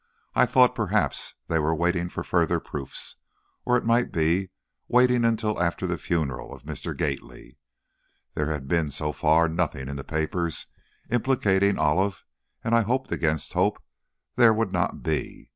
I thought perhaps they were waiting for further proofs, or it might be, waiting until after the funeral of Mr. Gately. There had been, so far, nothing in the papers implicating Olive, and I hoped against hope there would not be.